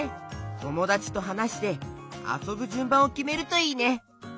ともだちとはなしてあそぶじゅんばんをきめるといいね！